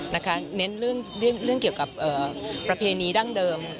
เน้นเรื่องเกี่ยวกับประเพณีดั้งเดิม